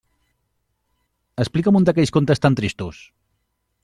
Explica'm un d'aquells contes tan tristos!